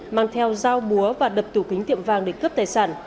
mang theo dao búa và đập tủ kính tiệm vàng để cướp tài sản